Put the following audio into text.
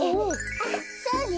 あっそうね。